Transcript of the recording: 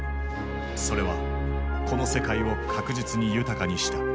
それはこの世界を確実に豊かにした。